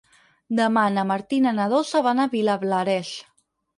Demà na Martina i na Dolça van a Vilablareix.